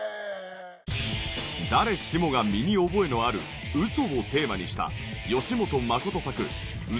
誰しもが身に覚えのある「ウソ」をテーマにした。